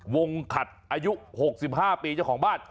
ขัดอายุ๖๕ปีเจ้าของบ้าน